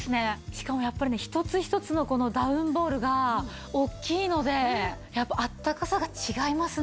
しかもやっぱりね一つ一つのこのダウンボールが大きいのであったかさが違いますね。